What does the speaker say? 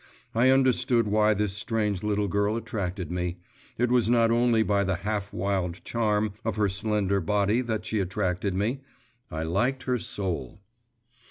I understood why this strange little girl attracted me; it was not only by the half wild charm of her slender body that she attracted me; I liked her soul.